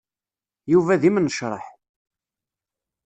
Yuba d imnecṛaḥ.